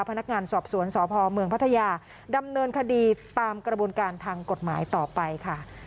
พนักงานสอบสวนสพเมืองพัทยาดำเนินคดีตามกระบวนการทางกฎหมายต่อไปค่ะ